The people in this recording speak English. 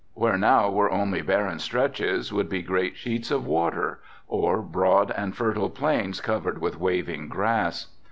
Where now were only barren stretches would be great sheets of water or broad and fertile plains covered with waving grass.